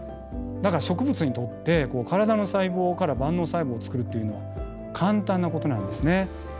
だから植物にとって体の細胞から万能細胞をつくるっていうのは簡単なことなんですね。